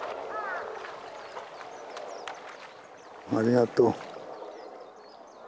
ありがとう。